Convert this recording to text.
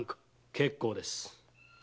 結構です。